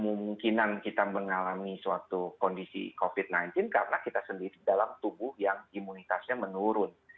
kemungkinan kita mengalami suatu kondisi covid sembilan belas karena kita sendiri dalam tubuh yang imunitasnya menurun